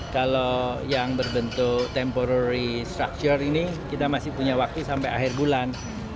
kalau yang berbentuk temporary structure ini kita masih punya waktu sampai akhir bulan